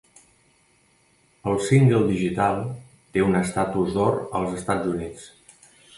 El single digital té un estatus d'or als Estats Units.